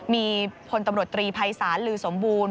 มีพลตำรวจตรีภัยศาลลือสมบูรณ